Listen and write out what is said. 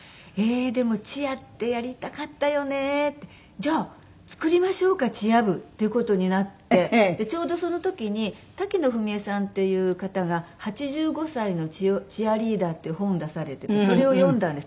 「じゃあ作りましょうかチア部」っていう事になってちょうどその時に滝野文恵さんっていう方が『８５歳のチアリーダー』っていう本を出されててそれを読んだんです。